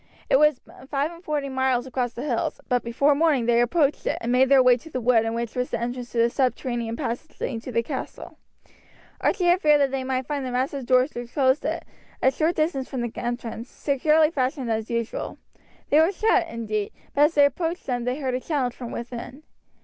It was five and forty miles across the hills, but before morning they approached it, and made their way to the wood in which was the entrance to the subterranean passage leading to the castle. Archie had feared that they might find the massive doors which closed it, a short distance from the entrance, securely fastened as usual. They were shut, indeed, but as they approached them they heard a challenge from within.